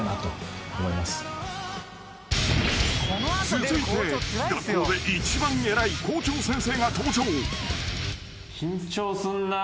［続いて学校で一番偉い校長先生が登場］